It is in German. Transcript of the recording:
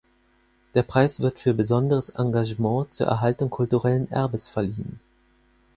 Der Preis wird für besonderes Engagement zur Erhaltung kulturellen Erbes verliehen.